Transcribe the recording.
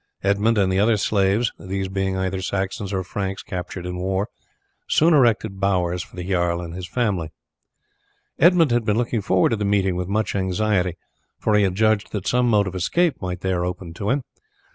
Edmund and the other slaves, these being either Saxon or Franks captured in war, soon erected bowers for the jarl and his family. Edmund had been looking forward to the meeting with much anxiety, for he had judged that some mode of escape might there open to him.